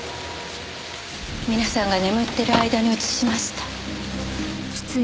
皆さんが眠ってる間に移しました。